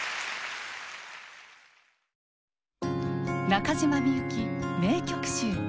「中島みゆき名曲集」。